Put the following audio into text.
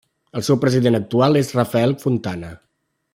El seu president actual és Rafael Fontana.